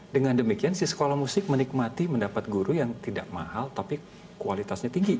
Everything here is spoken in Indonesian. dengan demikian si sekolah musik menikmati mendapat guru yang tidak mahal tapi kualitasnya tinggi